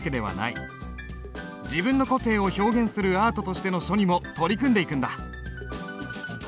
自分の個性を表現するアートとしての書にも取り組んでいくんだ。